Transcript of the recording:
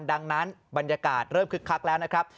ดังนั้นบรรยากาศเริ่มคึกคักแล้วนะครับ